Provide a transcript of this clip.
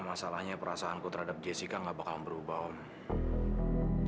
masalahnya perasaanku terhadap jessica enggak akan berubah pak